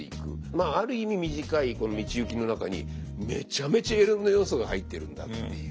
まあある意味短い道行きの中にめちゃめちゃいろんな要素が入ってるんだっていう。